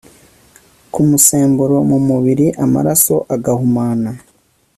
kumusemburo mu mubiri amaraso agahumana